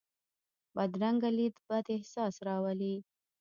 بدرنګه لید بد احساس راولي